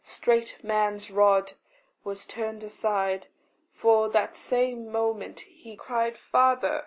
straight man's rod Was turned aside; for, that same moment, he Cried "Father!"